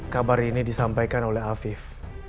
kabar ini disampaikan oleh afif